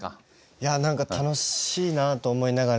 いや何か楽しいなと思いながら。